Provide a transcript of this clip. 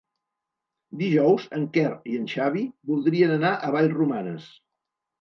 Dijous en Quer i en Xavi voldrien anar a Vallromanes.